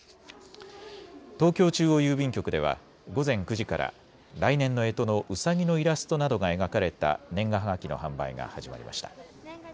東京中央郵便局では午前９時から来年のえとのうさぎのイラストなどが描かれた年賀はがきの販売が始まりました。